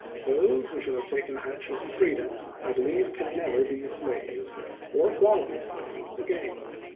Those who shall have taken actual freedom I believe can never be slaves, or quasi slaves, again.